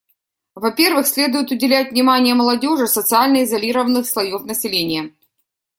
Во-первых, следует уделять внимание молодежи социально изолированных слоев населения.